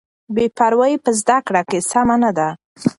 بې پروایي په زده کړه کې سمه نه ده.